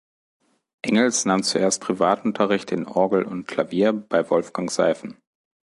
Engels nahm zuerst Privatunterricht in Orgel und Klavier bei Wolfgang Seifen.